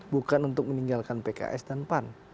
bukan untuk meninggalkan pks dan pan